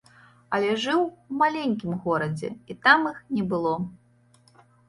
Але жыў у маленькім горадзе, і там іх не было.